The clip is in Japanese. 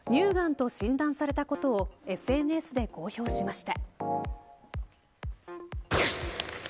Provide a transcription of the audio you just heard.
昨日、乳がんと診断されたことをＳＮＳで公表しました。